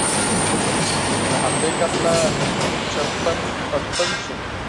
له همدې کبله چړتن پړتن شو.